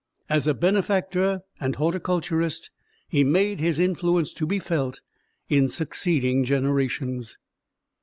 As a benefactor and horticulturist he made his influence to be felt in succeeding generations.